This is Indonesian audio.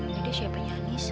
jadi siapanya anissa